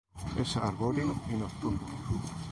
Es arbóreo y nocturno.